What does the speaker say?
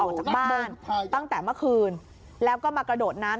ออกจากบ้านตั้งแต่เมื่อคืนแล้วก็มากระโดดน้ำ